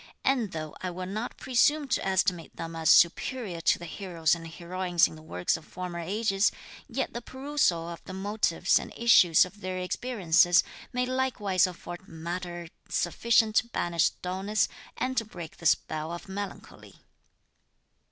And though I will not presume to estimate them as superior to the heroes and heroines in the works of former ages, yet the perusal of the motives and issues of their experiences, may likewise afford matter sufficient to banish dulness, and to break the spell of melancholy.